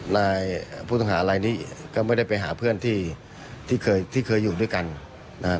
ในผู้ต่างหาอะไรนี้ก็ไม่ได้ไปหาเพื่อนที่ที่เคยที่เคยอยู่ด้วยกันนะฮะ